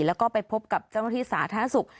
แล้วก็ไปพบกับเจ้านักฐิษฐาท่านศุกร์